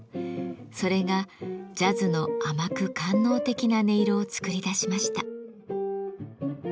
それがジャズの甘く官能的な音色を作り出しました。